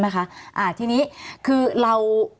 มีความรู้สึกว่ามีความรู้สึกว่า